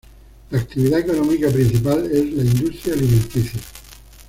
La actividad económica principal es la industria alimenticia.